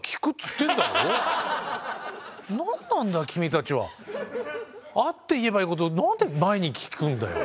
本日のテーマは会って言えばいいことを何で前に聞くんだよ。